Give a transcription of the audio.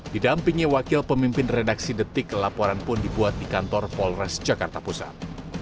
didampingi wakil pemimpin redaksi detik laporan pun dibuat di kantor polres jakarta pusat